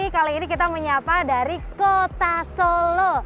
kali ini kita menyiapkan dari kota solo